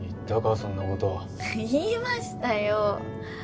そんなこと言いましたよ